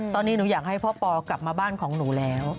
ตอนนี้หนูอยากให้พ่อปอกลับมาบ้านของหนูแล้ว